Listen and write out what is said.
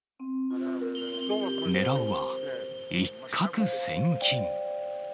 ねらうは一獲千金。